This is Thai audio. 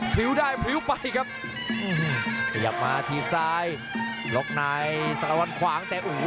พริ้วได้พริ้วไปครับขยับมาทีบซ้ายล็อกในสารวันขวางแต่โอ้โห